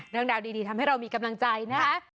เรื่องราวดีทำให้เรามีกำลังใจนะคะ